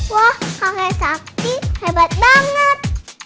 wah kakek sakti hebat banget